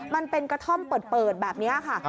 มันเป็นกระท่อมเปิดแบบนี้ค่ะ